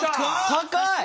高い。